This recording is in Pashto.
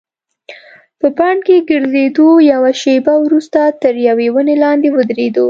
په بڼ کې ګرځېدو، یوه شیبه وروسته تر یوې ونې لاندې ودریدو.